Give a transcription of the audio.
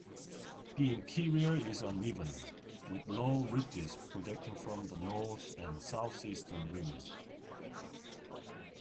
The interior is uneven, with low ridges projecting from the north and southeastern rims.